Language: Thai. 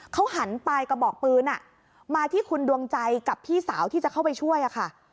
เขาหันปลายกระบอกปืนมาที่คุณดวงใจกับพี่สาวที่จะเข้าไปช่วยค่ะ